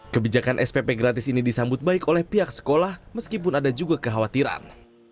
kebijakan spp gratis ini disambut baik oleh pihak sekolah meskipun ada juga kekhawatiran